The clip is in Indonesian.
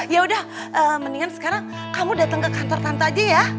yaudah mendingan sekarang kamu dateng ke kantor tante aja ya